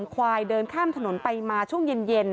ควายเดินข้ามถนนไปมาช่วงเย็น